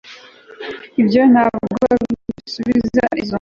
Ibyo ntabwo bisubiza ikibazo